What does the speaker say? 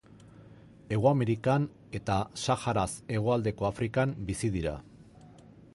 Hego Amerikan eta Saharaz hegoaldeko Afrikan bizi dira.